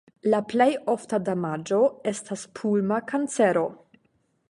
La plej ofta damaĝo estas pulma kancero.